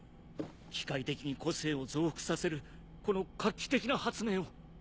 機械的に個性を増幅させるこの画期的な発明を。